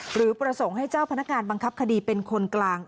หรือประสงค์ให้เจ้าพนักงานบังคับคดีเป็นคนกลาง